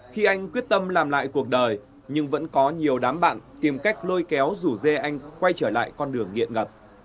khi anh quyết tâm làm lại cuộc đời nhưng vẫn có nhiều đám bạn tìm cách lôi kéo rủ dê anh quay trở lại con đường nghiện ngập